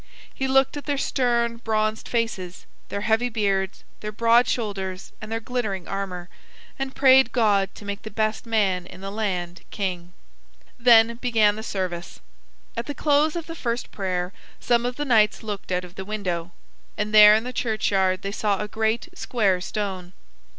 He looked at their stern bronzed faces, their heavy beards, their broad shoulders, and their glittering armor, and prayed God to make the best man in the land king. Then began the service. At the close of the first prayer some of the knights looked out of the window, and there in the churchyard they saw a great square stone.